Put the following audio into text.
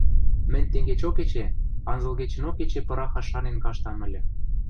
Мӹнь тенгечок эче, анзылгечӹнок эче пырахаш шанен каштам ыльы...